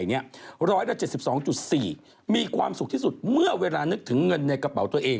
เค้ามีความสุขที่สุดเมื่อนึกถึงเงินในกระเป๋าตัวเอง